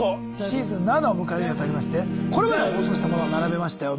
シーズン７を迎えるにあたりましてこれまで放送したものを並べましたよ。